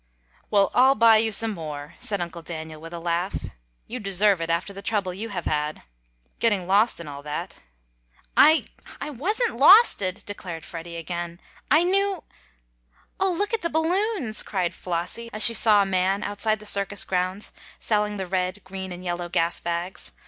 "Well, I'll buy you some more," said Uncle Daniel with a laugh. "You deserve it after the trouble you have had getting lost and all that." "I I wasn't losted!" declared Freddie again. "I knew " "Oh, look at the balloons!" cried Flossie, as she saw a man outside the circus grounds selling the red, green and yellow gas bags.